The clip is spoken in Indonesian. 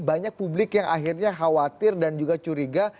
banyak publik yang akhirnya khawatir dan juga curiga